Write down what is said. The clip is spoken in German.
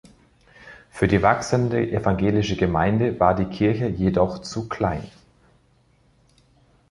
Für die wachsende evangelische Gemeinde war die Kirche jedoch zu klein.